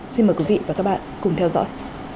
xin mời quý vị và các bạn cùng theo dõi